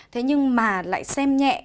thế nhưng mà lại xem nhẹ